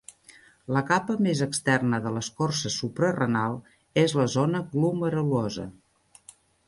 La capa més externa de l'escorça suprarenal és la zona glomerulosa.